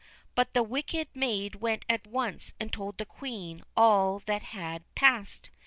But the wicked maid went at once and told the Queen all that had passed.